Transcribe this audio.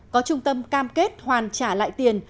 có trung tâm cam kết hoàn trả lại tiền